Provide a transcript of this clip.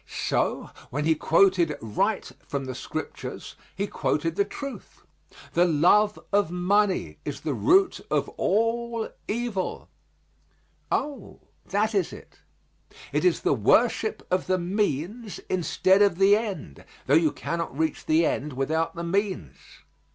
So, when he quoted right from the Scriptures he quoted the truth. "The love of money is the root of all evil." Oh, that is it. It is the worship of the means instead of the end, though you cannot reach the end without the means.